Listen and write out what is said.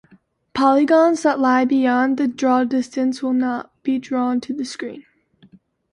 Polygons that lie beyond the draw distance will not be drawn to the screen.